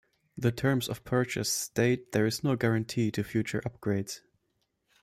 The terms of purchase state there is no guarantee to future upgrades.